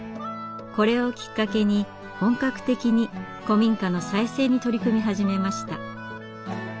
これをきっかけに本格的に古民家の再生に取り組み始めました。